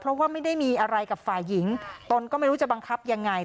เพราะว่าไม่ได้มีอะไรกับฝ่ายหญิงตนก็ไม่รู้จะบังคับยังไง